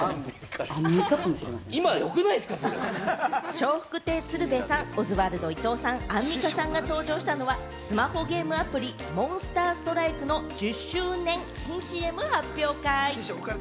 笑福亭鶴瓶さん、オズワルド・伊藤さん、アンミカさんが登場したのは、スマホゲームアプリ『モンスターストライク』の１０周年新ＣＭ発表会。